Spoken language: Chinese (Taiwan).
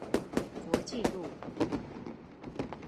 國際路